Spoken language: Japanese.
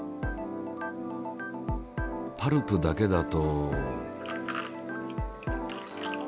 パルプだけだと。